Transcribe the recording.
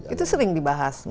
itu sering dibahas